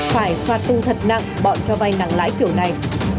phải phạt tù thật nặng bọn cho vay nặng lãi kiểu này